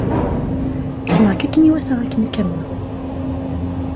Ssneɣ-k akken i iwata akken ad k-amneɣ.